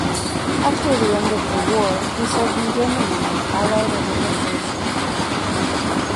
After the end of the war he served in Germany in the Allied administration.